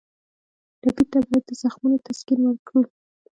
ټپي ته باید د زخمونو تسکین ورکړو.